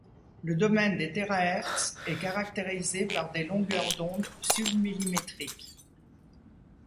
Le domaine des térahertz est caractérisé par des longueurs d'onde submillimétriques.